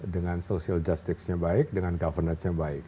dengan social justice nya baik dengan governance nya baik